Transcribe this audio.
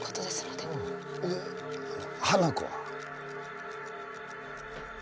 で花子は？